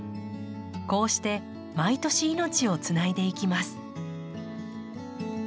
こうして毎年命をつないでいきます。